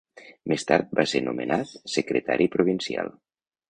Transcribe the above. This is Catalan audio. Més tard va ser nomenat Secretari Provincial.